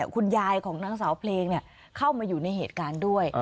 คุณยายของนางสาวเพลงเข้ามาอยู่ในเหตุการณ์ด้วย